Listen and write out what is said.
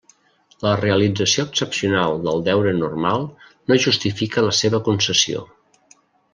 La realització excepcional del deure normal no justifica la seva concessió.